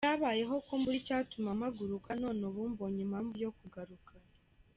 Byabayeho ko mbura icyatuma mpagaruka none ubu mbonye impamvu yo kugaruka.